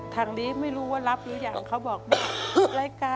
ทางดีไม่รู้ว่ารับหรือยังเขาบอก